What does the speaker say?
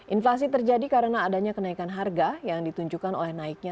inflasi terjadi karena adanya kenaikan harga yang ditunjukkan oleh naiknya